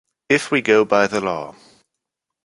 If we go by the law